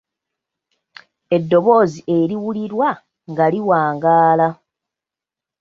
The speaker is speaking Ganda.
Eddoboozi eriwulirwa nga liwangaala.